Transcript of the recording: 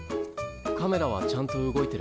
カメラはちゃんと動いてる。